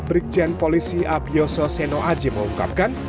brigjen polisi abioso seno aji mengungkapkan